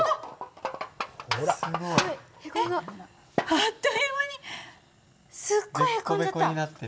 あっという間にすっごいへこんじゃった。